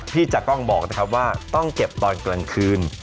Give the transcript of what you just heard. จากกล้องบอกนะครับว่าต้องเก็บตอนกลางคืน